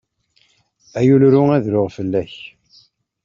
Ay ul ru, ad ruɣ fell-ak!